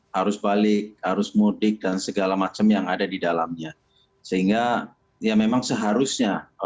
harus balik arus mudik dan segala macam yang ada di dalamnya sehingga ya memang seharusnya